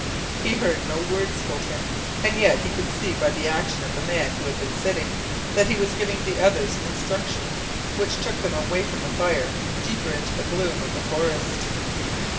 He heard no word spoken, and yet he could see by the action of the man who had been sitting that he was giving the others instructions which took them away from the fire, deeper into the gloom of the forest.